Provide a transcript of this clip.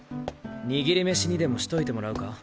握り飯にでもしといてもらうか？